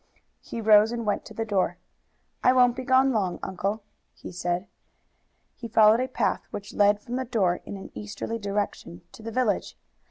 He rose and went to the door. "I won't be gone long, uncle," he said. He followed a path which led from the door in an easterly direction to the village.